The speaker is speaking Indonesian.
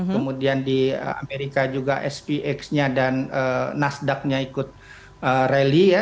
kemudian di amerika juga spx nya dan nasdaq nya ikut rally ya